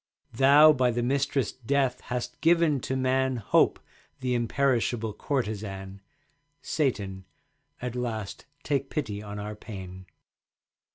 Thou by thy mistress Death hast given to man Hope, the imperishable courtesan. Satan, at last take pity on our pain.